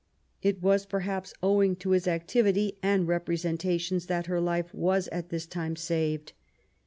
It was, perhaps, owing to his activity and representations that her life was at this time saved.